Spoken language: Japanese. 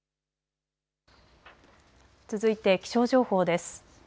続いて気象情報です。